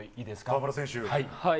河村選手。